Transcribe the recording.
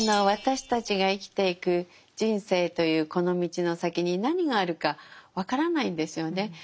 私たちが生きていく人生というこのみちのさきに何があるか分からないんですよね。